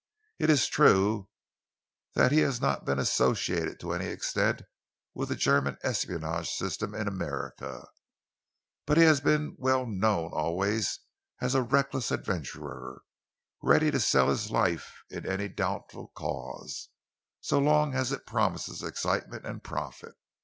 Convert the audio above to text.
It is true that he has not been associated to any extent with the German espionage system in America, but he has been well known always as a reckless adventurer, ready to sell his life in any doubtful cause, so long as it promised excitement and profit.